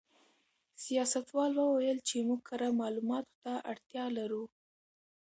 سیاستوال وویل چې موږ کره معلوماتو ته اړتیا لرو.